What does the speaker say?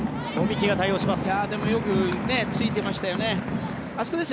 籾木が対応します。